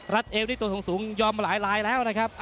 อ๋อรัดเอวที่ตัวสูงยอมมาหลายแล้วนะครับ